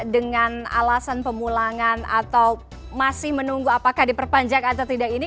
dengan alasan pemulangan atau masih menunggu apakah diperpanjang atau tidak ini